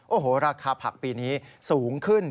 โอ้โหราคาผักปีนี้สูงขึ้น